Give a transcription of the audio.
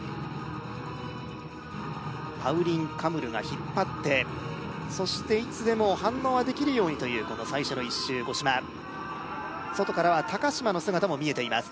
パウリン・カムルが引っ張ってそしていつでも反応はできるようにというこの最初の１周五島外からは高島の姿も見えています